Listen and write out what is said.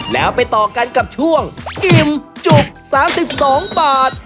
แล้วไปต่อกันกับช่วงอิ่มจุก๓๒บาท